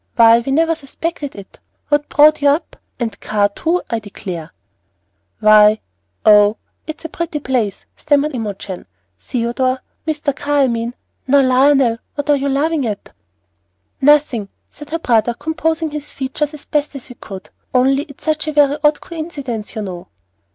"Why, we never suspected it. What brought you up? and Carr, too, I declare!" "Why oh it's a pretty place," stammered Imogen. "Theodore Mr. Carr, I mean Now, Lionel, what are you laughing at?" "Nothing," said her brother, composing his features as best he could; "only it's such a very odd coincidence, you know."